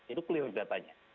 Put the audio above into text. itu clear datanya